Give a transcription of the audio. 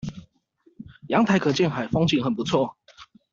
陽台可見海，風景很不錯